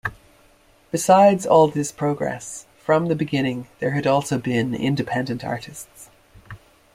Besides all this progress, from the beginning there had also been independent artists.